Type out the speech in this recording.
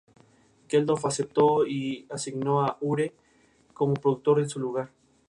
Su segundo álbum "Chemistry, "pasó desapercibido, no llegando a entrar en listas.